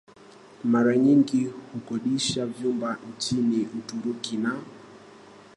mara nyingi hukodisha vyumba nchini Uturuki na